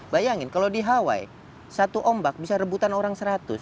bayangin kalau di hawaii satu ombak bisa rebutan orang seratus